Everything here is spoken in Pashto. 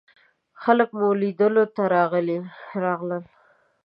خلک مو لیدلو ته راغلل.